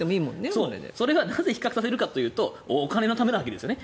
それはなぜ比較させるかというとお金のためのわけすよね。